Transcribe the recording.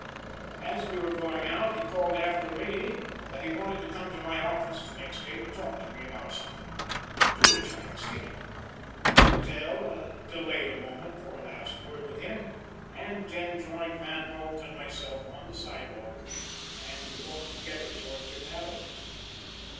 As we were going out, he called after me that he wanted to come to my office the next day to talk to me about something, to which I acceded. Littell delayed a moment for a last word with him, and then joined Van Bult and myself on the sidewalk and we walked together toward Fifth Avenue.